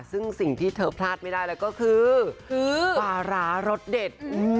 ซึ่งสิ่งที่เธอพลาดไม่ได้แล้วก็คือปลาร้ารสเด็ด